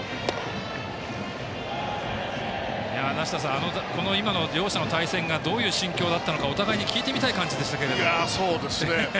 梨田さん、今の両者の対戦がどういう心境だったのかお互いに聞いてみたい感じでしたけど。